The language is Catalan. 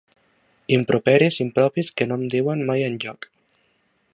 Improperis impropis que no em duien mai enlloc.